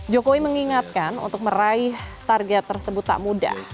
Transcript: jokowi mengingatkan untuk meraih target tersebut tak mudah